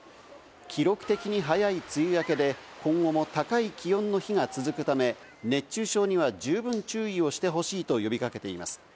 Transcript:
記録的に早い梅雨明けで、今後も高い気温の日が続くため、熱中症には十分注意をしてほしいと呼びかけています。